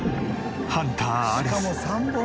ハンターアリス。